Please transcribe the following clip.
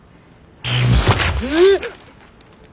えっ！